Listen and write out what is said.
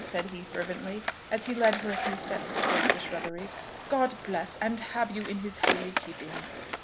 said he fervently, as he led her a few steps towards the shrubberies; "God bless, and have you in his holy keeping!"